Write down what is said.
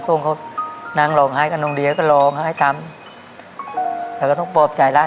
ส่งเขานั่งหลอกหายกับน้องเรียก็หลอกหายทำแล้วก็ต้องปอบจ่ายร้าน